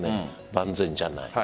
万全じゃない。